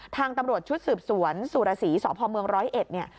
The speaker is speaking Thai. ทางตำรวจชุดสืบสวนสุรสีสพเมืองร้อยเอ็ดเนี่ย